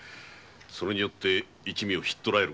それによって一味を捕えられる。